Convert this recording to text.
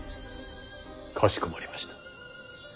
かしこまりました。